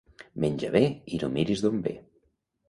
Menja bé i no miris d'on ve.